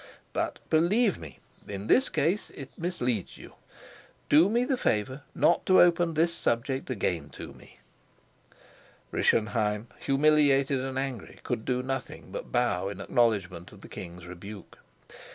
But, believe me, in this case it misleads you. Do me the favor not to open this subject again to me." Rischenheim, humiliated and angry, could do nothing but bow in acknowledgment of the king's rebuke.